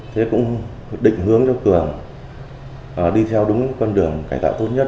thế cũng định hướng cho cường đi theo đúng con đường cải tạo tốt nhất